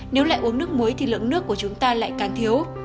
nếu lại uống nước muối thì lượng nước của chúng ta lại càng thiếu